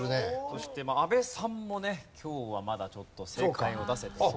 そして阿部さんもね今日はまだちょっと正解を出せていない。